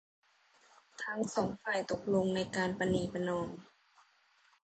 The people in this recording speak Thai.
ทั้งสองฝ่ายตกลงในการประนีประนอม